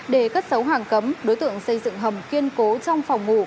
để cất xấu hàng cấm đối tượng xây dựng hầm kiên cố trong phòng ngủ